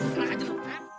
serah aja lu